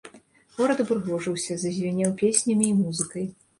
Горад упрыгожыўся, зазвінеў песнямі і музыкай.